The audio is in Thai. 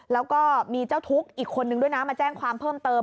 แล้วก็มีเจ้าทุกข์อีกคนนึงด้วยนะมาแจ้งความเพิ่มเติม